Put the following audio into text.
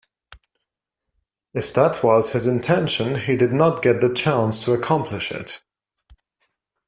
If that was his intention, he did not get the chance to accomplish it.